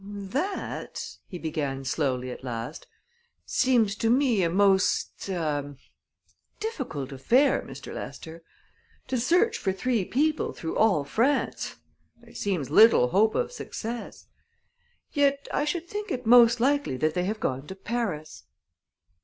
"That," he began slowly, at last, "seems to me a most ah! deeficult affair, Mistair Lester. To search for three people through all France there seems little hope of success. Yet I should think it most likely that they have gone to Paris."